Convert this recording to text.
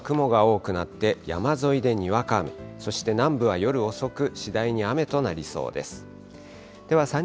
午後は雲が多くなって、山沿いでにわか雨、そして南部は夜遅く、次第に雨となりそうです。